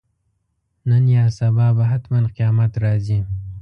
نن یا سبا به حتماً قیامت راځي.